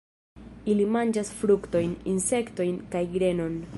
Ili manĝas fruktojn, insektojn kaj grenon.